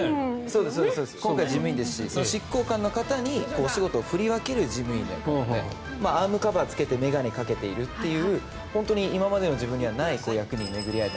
今回、事務員ですし執行官の方にお仕事を振り分ける事務員なのでアームカバーつけて眼鏡をかけている今までの自分にはなかった役柄で。